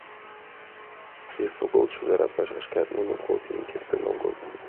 Эсогыл чодыра пашашкат нуным колтен кертын огытыл.